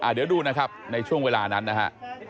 เดี๋ยวดูนะครับในช่วงเวลานั้นนะฮะ